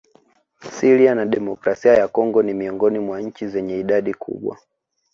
Syria na demokrasia ya Kongo ni miongoni mwa nchi zenye idadi kubwa